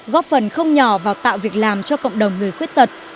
góp phần không nhỏ vào tạo việc làm cho cộng đồng người khuyết tật